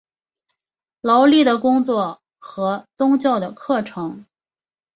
劳力的工作和宗教的课程。